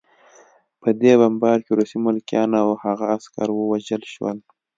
په دې بمبار کې روسي ملکیان او هغه عسکر ووژل شول